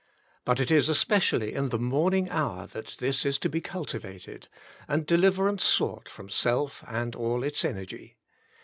But it is especially in the morning hour that this is to be cultivated, and deliverance sought from self and all its energy.